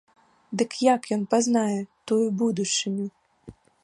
Дык як ён пазнае тую будучыню?